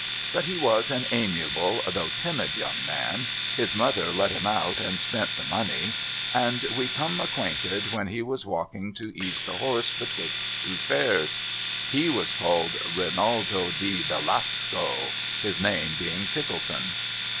But he was an amiable though timid young man (his mother let him out, and spent the money), and we come acquainted when he was walking to ease the horse betwixt two fairs. He was called Rinaldo di Velasco, his name being Pickleson.